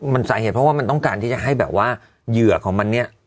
มันสาเหตุเพราะว่ามันต้องการที่จะให้แบบว่าเหยื่อของมันเนี่ย